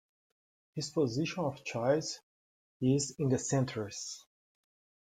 His position of choice is in the centres.